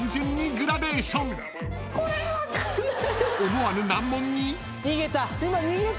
［思わぬ難問に］